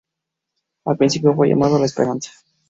Al principio, fue llamado La Esperanza.